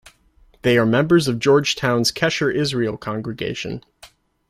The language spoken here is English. They are members of Georgetown's Kesher Israel Congregation.